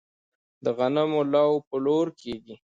د غنمو لو په لور کیږي.